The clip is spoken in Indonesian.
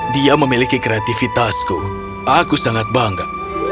dia memiliki kreativitasku aku sangat bangga